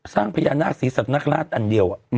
สร้างพญานาคสีศัพท์นคราชอันเดียว